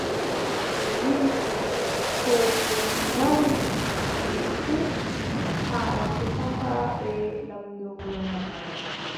O wii, kooɗo ngaari ndi fuu, haala tefata bee laamɗo wuro man.